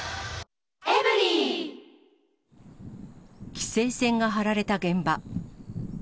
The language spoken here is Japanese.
規制線が張られた現場。